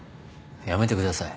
やめてください。